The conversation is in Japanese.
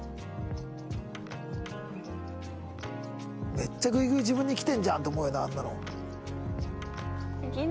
めっちゃグイグイ自分にきてるじゃんと思うよなあんなの。